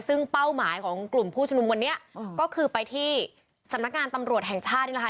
ซึ่งเป้าหมายของกลุ่มผู้ชมดูบรรยากาศโดยราชประสงค์วันนี้ก็คือไปที่สำนักงานตำรวจแห่งชาติด้วยนะคะ